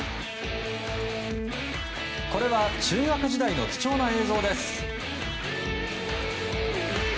これは中学時代の貴重な映像です。